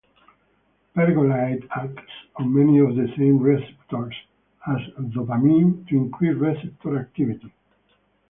Pergolide acts on many of the same receptors as dopamine to increase receptor activity.